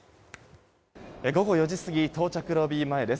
午後４時過ぎ到着ロビー前です。